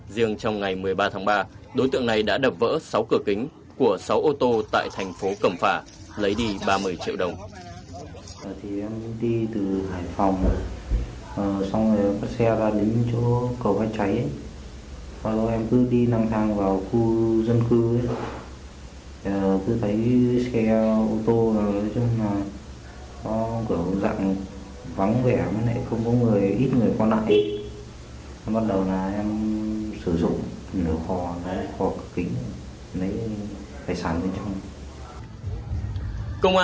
riêng trong ngày một mươi ba tháng ba đối tượng này đã đập vỡ sáu cửa kính của sáu ô tô tại thành phố cầm phả lấy đi ba mươi triệu đồng